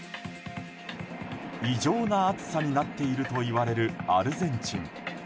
異常な暑さになっているといわれるアルゼンチン。